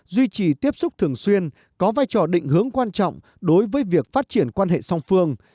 duy trì tiếp xúc thường xuyên có vai trò định hướng quan trọng đối với việc phát triển quan hệ song phương